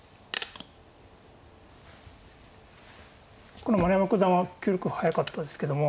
ここの丸山九段は９六歩早かったですけども。